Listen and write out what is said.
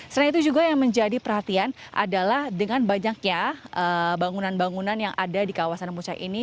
selain itu juga yang menjadi perhatian adalah dengan banyaknya bangunan bangunan yang ada di kawasan puncak ini